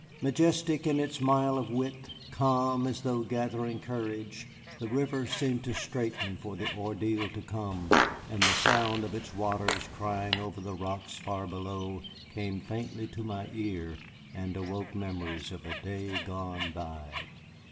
Majestic in its mile of width, calm, as though gathering courage, the river seemed to straighten for the ordeal to come, and the sound of its waters crying over the rocks far below came faintly to my ear and awoke memories of a day gone by.